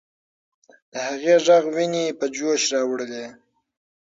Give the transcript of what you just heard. د هغې ږغ ويني په جوش راوړلې.